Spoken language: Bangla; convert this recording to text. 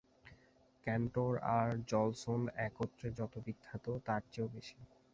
ক্যানটর আর জলসন একত্রে যত বিখ্যাত, তার চেয়েও বেশি।